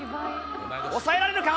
抑えられるか。